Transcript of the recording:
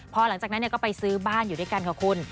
พอหลังจากนั้นก็ไปซื้อบ้านอยู่ด้วยกันค่ะคุณ